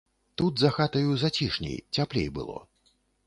Тут за хатаю зацішней, цяплей было.